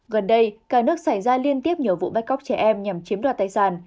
gần đây cả nước xảy ra liên tiếp nhiều vụ bắt cóc trẻ em nhằm chiếm đoạt tài sản